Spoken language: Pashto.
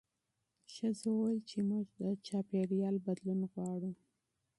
ښځو وویل چې موږ ټولنیز بدلون غواړو.